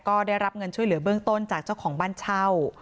ก็ได้รับเงินช่วยเหลือเบื้องต้นจากเจ้าของบ้านเช่า